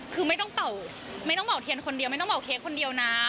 คือไม่ต้องเป่าเทียนคนเดียวไม่ต้องเป่าเค้กคนเดียวนะ